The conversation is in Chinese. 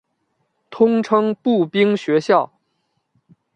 通称步兵学校。